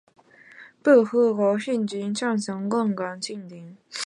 不符合该规律的大多为古入声字。